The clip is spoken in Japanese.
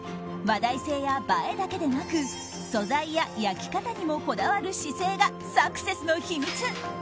話題性や映えだけでなく素材や焼き方にもこだわる姿勢がサクセスの秘密！